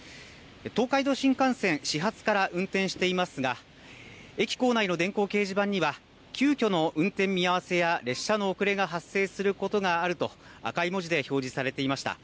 東海道新幹線、始発から運転していますが、駅構内の電光掲示板には、急きょの運転見合わせや列車の遅れが発生することがあると、赤い文字で表示されていました。